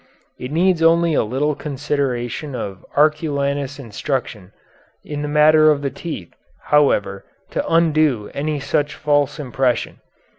It needs only a little consideration of Arculanus' instruction in the matter of the teeth, however, to undo any such false impression.